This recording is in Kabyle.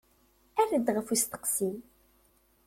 Err-d ɣef usteqsi.